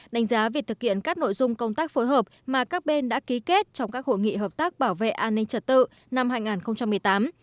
đánh giá việc thực hiện các nội dung công tác phối hợp mà các bên đã ký kết trong các hội nghị hợp tác bảo vệ an ninh trật tự năm hai nghìn một mươi tám